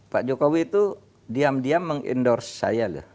pak jokowi itu diam diam meng endorse saya loh